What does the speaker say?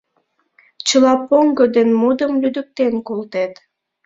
Чыла поҥго ден модым лӱдыктен колтет.